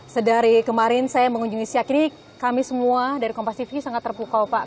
sedari kemarin saya mengunjungi siak ini kami semua dari kompas tv sangat terpukau pak